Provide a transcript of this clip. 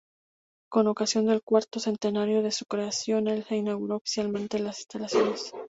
Con ocasión del cuarto centenario de su creación, el se inauguran oficialmente las instalaciones.